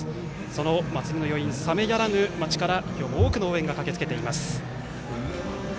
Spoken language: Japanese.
その祭りの余韻冷めやらぬ街から今日も、多くの応援が駆けつけています。